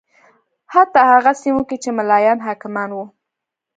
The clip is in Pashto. حتی هغه سیمو کې چې ملایان حاکمان و